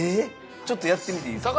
ちょっとやってみていいですか？